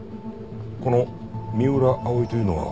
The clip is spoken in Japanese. この三浦葵というのは？